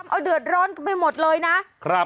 เอาเดือดร้อนไปหมดเลยนะครับ